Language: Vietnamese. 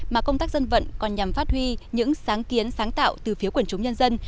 mà công tác dân vận còn nhằm phát huy những sáng kiến sáng tạo từ phía quần chúng nhân dân